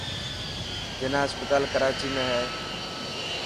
جناح اسپتال ڪراچي ۾ هي.